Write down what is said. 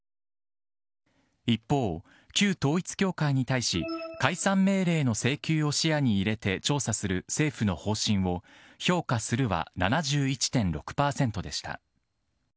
一方、旧統一教会に対し、解散命令の請求を視野に入れて調査する政府の方針を、評価するは７１．６％でした。